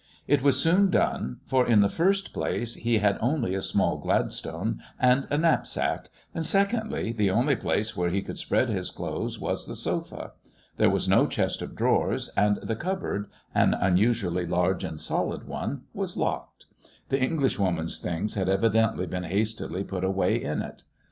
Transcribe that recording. It was soon done; for, in the first place, he had only a small Gladstone and a knapsack, and secondly, the only place where he could spread his clothes was the sofa. There was no chest of drawers, and the cupboard, an unusually large and solid one, was locked. The Englishwoman's things had evidently been hastily put away in it.